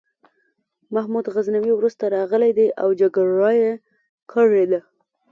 محمود غزنوي وروسته راغلی دی او جګړه یې کړې ده.